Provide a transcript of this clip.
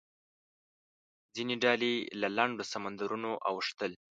ځینې ډلې له لنډو سمندرونو اوښتل.